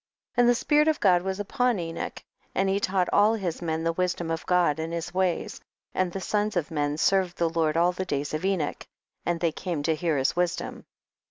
8. And the spirit of God was upon Enoch, and he taught all his men the wisdom of God and his ways, and the sons of men served the Lord all the days of Enoch, and they came to hear his wisdom.